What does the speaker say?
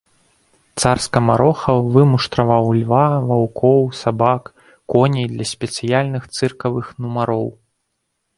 Цар скамарохаў вымуштраваў льва, ваўкоў, сабак, коней для спецыяльных цыркавых нумароў.